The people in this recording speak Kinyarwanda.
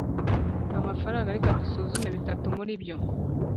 amafaranga Reka dusuzume bitatu muri byo